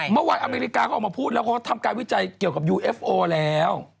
เมื่อวานอเมริกาเขาออกมาพูดแล้วเขาทำการวิจัยเกี่ยวกับยูเอฟโอแล้ว